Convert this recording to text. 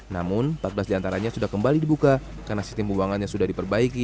namun empat belas diantaranya sudah kembali dibuka karena sistem keuangannya sudah diperbaiki